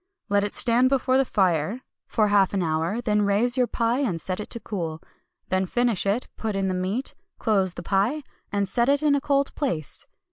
Let it stand before the fire for half an hour, then raise your pie and set it to cool; then finish it, put in the meat, close the pie, and set it in a cold place.